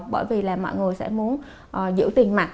bởi vì là mọi người sẽ muốn giữ tiền mặt